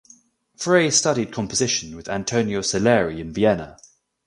Frey studied composition with Antonio Salieri in Vienna.